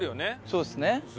そうですね。